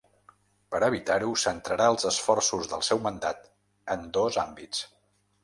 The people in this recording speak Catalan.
Per evitar-ho centrarà els esforços del seu mandat en dos àmbits.